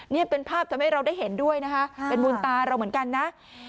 นี่เป็นภาพทำให้เราได้เห็นด้วยนะคะเป็นบุญตาเราเหมือนกันนะ